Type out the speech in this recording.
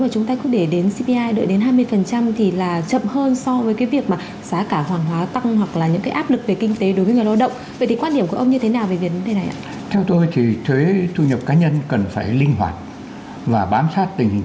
cảm ơn quý vị và các bạn